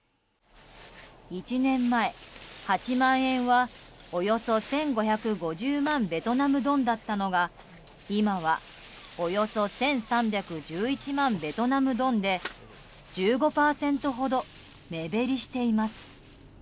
１年前、８万円はおよそ１５５０万ベトナムドンだったのが今はおよそ１３１１万ベトナムドンで１５％ほど、目減りしています。